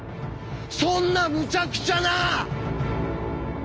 そんなむちゃくちゃな！